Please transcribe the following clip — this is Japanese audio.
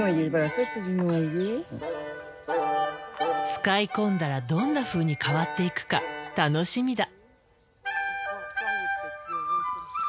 使い込んだらどんなふうに変わっていくか楽しみだ。